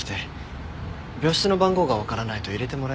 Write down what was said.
病室の番号がわからないと入れてもらえないらしくて。